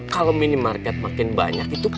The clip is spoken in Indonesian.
kalau minimarket makin banyak